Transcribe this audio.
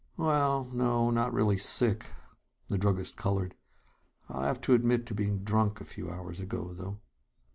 "Well no not really sick." The druggist colored. "I'll have to admit to being drunk a few hours ago, though."